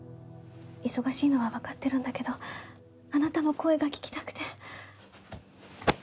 忙しいのはわかってるんだけどあなたの声が聞きたくて。